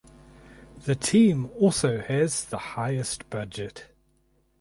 The team also has the highest budget.